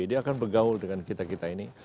dia akan bergaul dengan kita kita ini